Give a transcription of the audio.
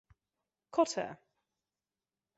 Cotter.